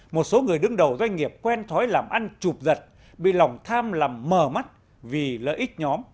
một số người đứng đầu doanh nghiệp quen thói làm ăn chụp giật bị lòng tham làm mờ mắt vì lợi ích nhóm